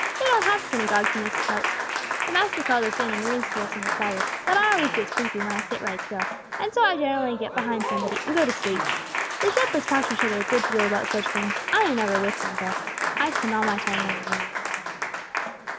"They don't have synagogues in these parts. The master calls us in and reads to us on the Sabbath; but I always get sleepy when I sit right still, and so I generally get behind somebody and go to sleep. The shepherds talk to each other a good deal about such things, I am never with them though. I spend all my time running errands."